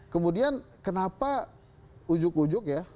kemudian kenapa ujug ujug ya